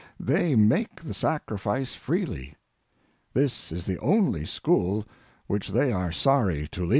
They make the sacrifice freely. This is the only school which they are sorry to leave.